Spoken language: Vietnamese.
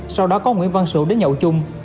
sau đó có nguyễn văn sửu đến nhậu chung